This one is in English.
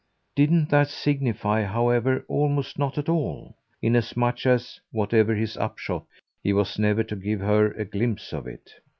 Didn't that signify, however, almost not at all? inasmuch as, whatever his upshot, he was never to give her a glimpse of it.